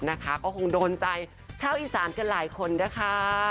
นะคะก็คงโดนใจชาวอีสานกันหลายคนนะคะ